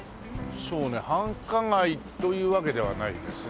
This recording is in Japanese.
繁華街というわけではないですね。